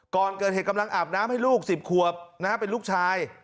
ก่อนเกิดเหตุกำลังอาบน้ำให้ลูก๑๐ขวบเป็นลูกชาย